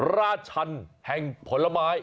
ราชันแห่งผลไม้